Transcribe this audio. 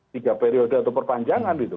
tiga periode atau perpanjangan gitu